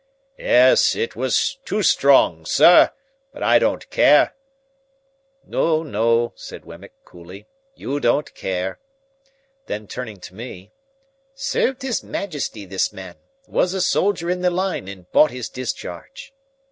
"Yes, it was too strong, sir,—but I don't care." "No, no," said Wemmick, coolly, "you don't care." Then, turning to me, "Served His Majesty this man. Was a soldier in the line and bought his discharge."